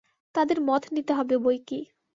তাঁদের মত নিতে হবে বৈকি।